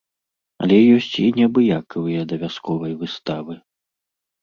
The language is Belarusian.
Але ёсць і неабыякавыя да вясковай выставы.